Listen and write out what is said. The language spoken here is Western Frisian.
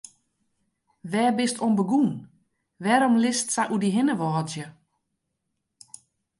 Wêr bist oan begûn, wêrom litst sa oer dy hinne wâdzje?